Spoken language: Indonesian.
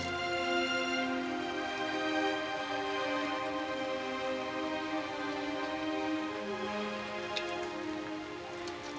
emang dia mamah apa sekarang